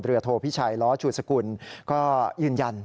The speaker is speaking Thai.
โทพิชัยล้อชูสกุลก็ยืนยัน